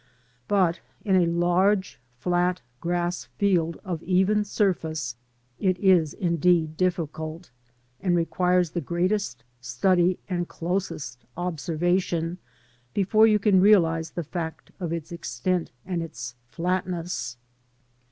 But in a large flat grass field of even surface it is indeed difficult, and requires the greatest study and closest observation before you can realise the fact of its extent and its flatness.